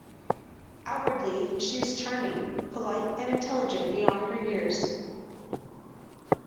Outwardly, she is charming, polite and intelligent beyond her years.